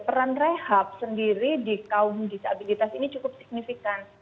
peran rehab sendiri di kaum disabilitas ini cukup signifikan